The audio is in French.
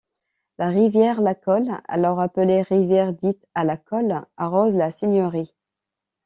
La rivière Lacolle, alors appelée rivière dite à la Colle, arrose la seigneurie.